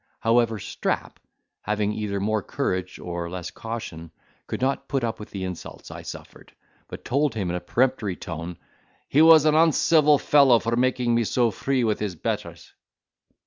However, Strap, having either more courage or less caution, could not put up with the insults I suffered, but told him in a peremptory tone, "He was an uncivil fellow for making so free with his betters."